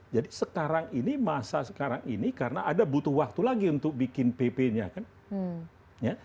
jadi sekarang ini masa sekarang ini karena ada butuh waktu lagi untuk bikin pp nya